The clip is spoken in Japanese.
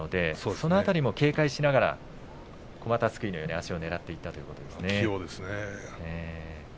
そのあたりを警戒しながらこまたすくいのように足をねらいにいったということですね。